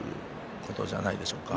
ことじゃないでしょうか。